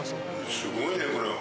すごいね、これ。